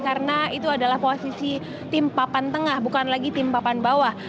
karena itu adalah posisi tim papan tengah bukan lagi tim papan bawah